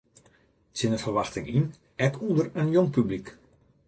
Tsjin de ferwachting yn ek ûnder in jong publyk.